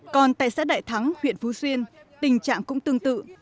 còn tại xã đại thắng huyện phú xuyên tình trạng cũng tương tự